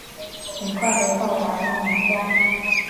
很快到达她娘家